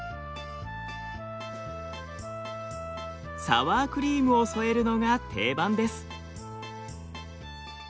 サワークリームを添えるのが定番です。